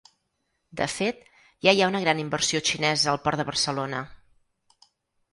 De fet, ja hi ha una gran inversió xinesa al port de Barcelona.